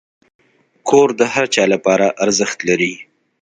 کور د هر چا لپاره ارزښت لري.